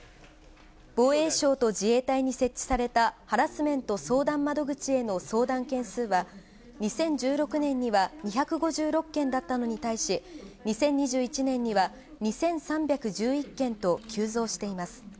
防衛省と自衛隊に設置されたハラスメント相談窓口への相談件数は、２０１６年には２５６件だったのに対し、２０２１年には、２３１１県と急増しています。